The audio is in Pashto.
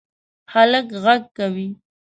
هلک غږ کوی